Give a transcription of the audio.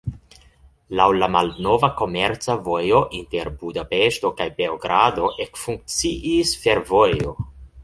Laŭ la malnova komerca vojo inter Budapeŝto kaj Beogrado ekfunkciis fervojo.